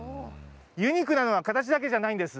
ユニークなのは形だけじゃないんです。